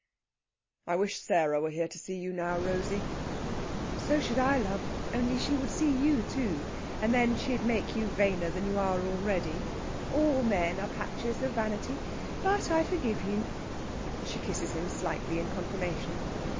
"I wish Sarah were here to see you now, Rosey." "So should I, love! Only she would see you too. And then she'd make you vainer than you are already. All men are patches of Vanity. But I forgive you." She kisses him slightly in confirmation.